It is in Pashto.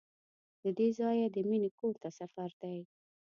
له دې ځایه د مینې کور ته سفر دی.